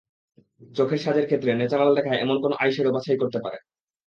চোখের সাজের ক্ষেত্রে ন্যাচারাল দেখায় এমন কোনো আইশ্যাডো বাছাই করতে পারেন।